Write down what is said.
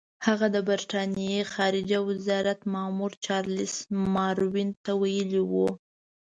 هغه د برټانیې خارجه وزارت مامور چارلس ماروین ته ویلي وو.